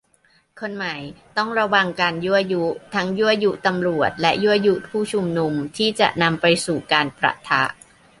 คนใหม่ ต้องระวังการยั่วยุ ทั้งยั่วยุตำรวจ และยั่วยุผู้ชุมนุม ที่จะนำไปสู่การปะทะ